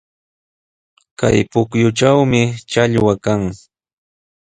Chay pukyutrawmi challwa kan.